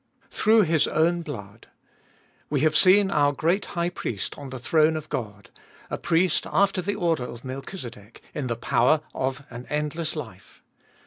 Through His own blood. We have seen our great High Priest on the throne of God, a Priest after the order of Melchizedek, in the power of an endless life.